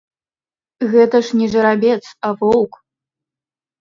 Гэта ж не жарабец, а воўк!